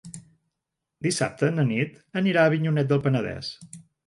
Dissabte na Nit anirà a Avinyonet del Penedès.